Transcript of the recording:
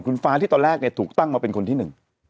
คุณฟ้าที่ตอนแรกเนี่ยถูกตั้งมาเป็นคนที่หนึ่ง